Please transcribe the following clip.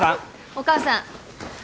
お母さん。